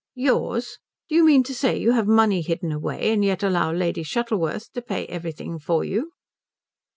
"Yours? Do you mean to say you have money hidden away and yet allow Lady Shuttleworth to pay everything for you?"